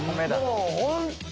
本当